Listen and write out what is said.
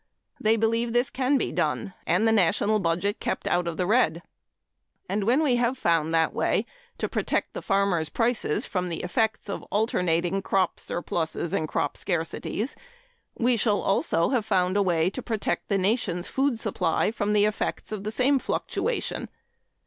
They believe this can be done, and the national budget kept out of the red. And when we have found that way to protect the farmers' prices from the effects of alternating crop surpluses and crop scarcities, we shall also have found the way to protect the nation's food supply from the effects of the same fluctuation.